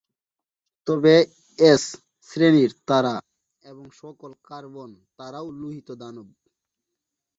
তবে এস শ্রেণীর তারা এবং সকল কার্বন তারাও লোহিত দানব।